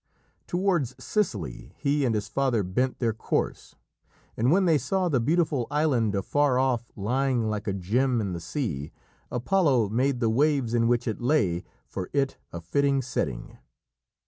Towards Sicily he and his father bent their course, and when they saw the beautiful island afar off lying like a gem in the sea, Apollo made the waves in which it lay, for it a fitting setting.